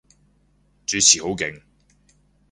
主持好勁